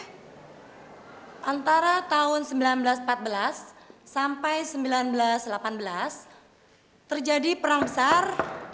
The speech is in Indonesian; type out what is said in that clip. nah antara tahun seribu sembilan ratus empat belas sampai seribu sembilan ratus delapan belas terjadi perang besar